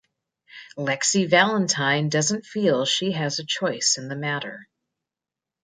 Lexi Valentine doesn't feel she has a choice in the matter.